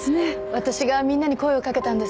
私がみんなに声を掛けたんです。